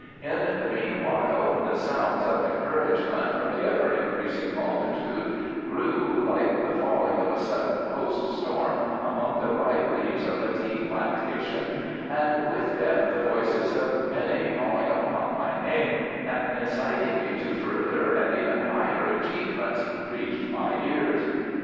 In the meanwhile the sounds of encouragement from the ever increasing multitude grew like the falling of a sudden coast storm among the ripe leaves of a tea plantation, and with them the voices of many calling upon my name and inciting me to further and even higher achievements reached my ears.